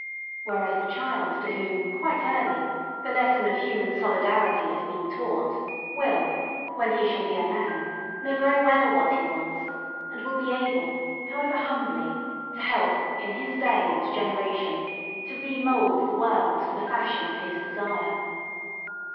Whereas the child to whom, quite early, the lesson of human solidarity has been taught will, when he shall be a man, know very well what he wants, and will be able, however humbly, to help, in his day and generation, to re mould the world to the fashion of his desire.